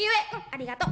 「ありがと。